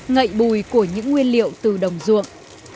ngậy bùi của những nguyên liệu từ đồng ruộng